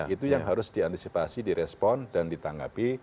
itu yang harus diantisipasi direspon dan ditanggapi